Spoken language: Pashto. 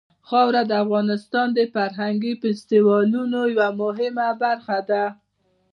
خاوره د افغانستان د فرهنګي فستیوالونو یوه مهمه برخه ده.